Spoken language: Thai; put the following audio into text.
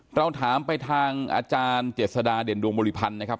เราถามไปทางอาจารย์เจษฎาเด่นดวงบริพันธ์นะครับ